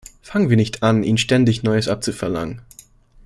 Fangen wir nicht an, Ihnen ständig Neues abzuverlangen!